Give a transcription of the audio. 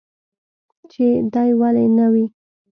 چې دى ولي نه وي.